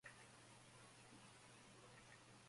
La Croix-Blanche